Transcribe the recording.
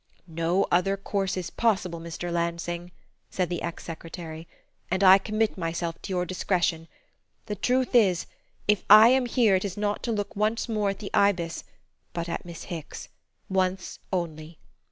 "No other course is possible, Mr. Lansing," said the ex secretary, "and I commit myself to your discretion. The truth is, if I am here it is not to look once more at the Ibis, but at Miss Hicks: once only.